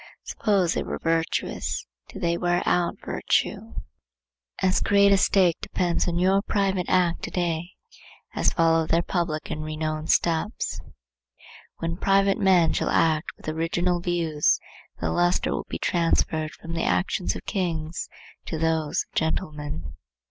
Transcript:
Suppose they were virtuous; did they wear out virtue? As great a stake depends on your private act to day, as followed their public and renowned steps. When private men shall act with original views, the lustre will be transferred from the actions of kings to those of gentlemen.